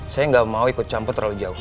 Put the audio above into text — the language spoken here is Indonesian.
saya nggak mau ikut campur terlalu jauh